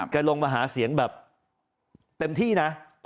ลงมาหาเสียงแบบเต็มที่นะ